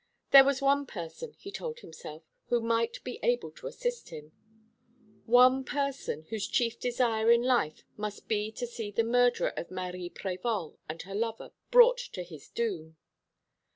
There was one person, he told himself, who might be able to assist him one person whose chief desire in life must be to see the murderer of Marie Prévol and her lover brought to his doom.